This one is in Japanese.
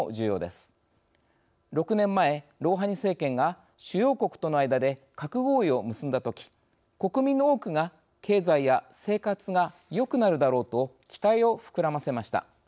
６年前ロウハニ政権が主要国との間で核合意を結んだとき国民の多くが経済や生活がよくなるだろうと期待を膨らませました。